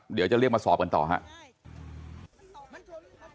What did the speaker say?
เดี๋ยวจะเรียกมาสอบกันต่อครับ